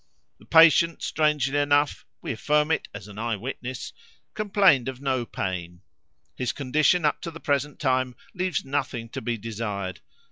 The patient, strangely enough we affirm it as an eye witness complained of no pain. His condition up to the present time leaves nothing to be desired.